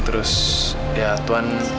terus ya tuhan